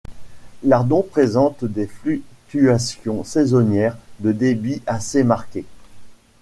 L'Ardon présente des fluctuations saisonnières de débit assez marquées.